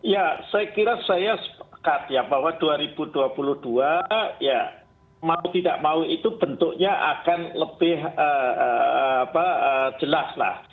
ya saya kira saya sepakat ya bahwa dua ribu dua puluh dua ya mau tidak mau itu bentuknya akan lebih jelas lah